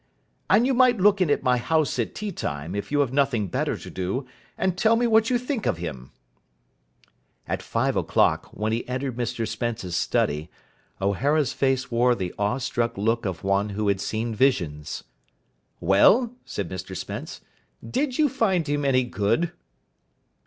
"And you might look in at my house at tea time, if you have nothing better to do, and tell me what you think of him." At five o'clock, when he entered Mr Spence's study, O'Hara's face wore the awe struck look of one who had seen visions. "Well?" said Mr Spence. "Did you find him any good?"